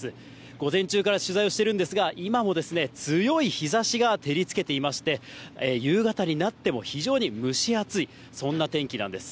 午前中から取材をしてるんですが、今も強い日ざしが照りつけていまして、夕方になっても非常に蒸し暑い、そんな天気なんです。